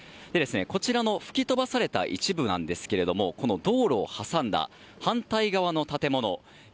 こちらの吹き飛ばされた一部なんですけれどもこの道路を挟んだ反対側の建物。